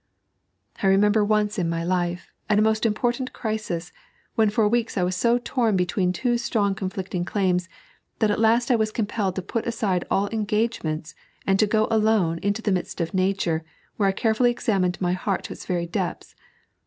I remember once in my life, at a most important crisis, when for weeks I was so torn between two strong conflicting claims, that at last 1 was compelled to put aside alt engage menta and to go alone into the midst of ITature, where I carefully examined my heart to its very depths.